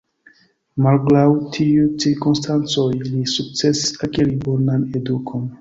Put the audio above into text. Malgraŭ tiuj cirkonstancoj, li sukcesis akiri bonan edukon.